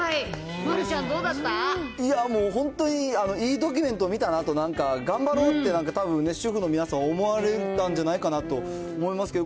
丸ちゃん、どうだっいやー、もう、本当にいいドキュメントを見たなと、なんか頑張ろうって、たぶん、主婦の皆さん思われたんじゃないかなと思いますけど。